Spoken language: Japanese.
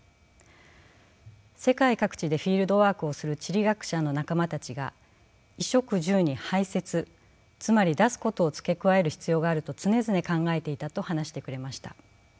世界各地でフィールドワークをする地理学者の仲間たちが衣食住に排泄つまり出すことを付け加える必要があると常々考えていたと話してくれました。